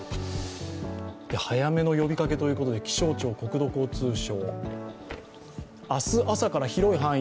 早めの呼びかけということで気象庁、国土交通省。